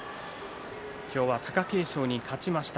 今日は貴景勝に勝ちました。